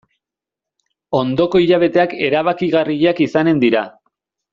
Ondoko hilabeteak erabakigarriak izanen dira.